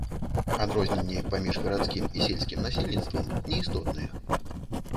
Адрозненні паміж гарадскім і сельскім насельніцтвам не істотныя.